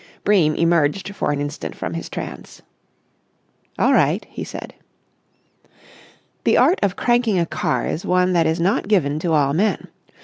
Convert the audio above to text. Bream emerged for an instant from his trance. "All right," he said. The art of cranking a car is one that is not given to all men.